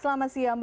selamat siang mbak